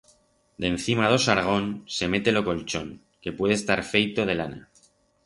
Dencima d'o xargón se mete lo colchón, que puede estar feito de lana.